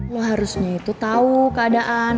lo harusnya itu tahu keadaan